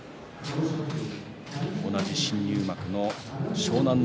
同じ新入幕の湘南乃